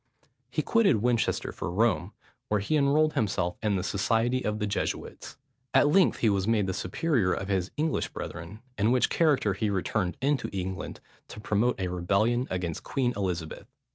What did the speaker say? He quitted Winchester for Rome, where he enrolled himself in the society of the Jesuits. At length he was made the superior of his English brethren, in which character he returned into England, to promote a rebellion against Queen Elizabeth.